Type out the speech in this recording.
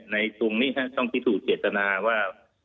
ในตรงนี้ต้องพิสูจน์เศรษฐนาคิดว่า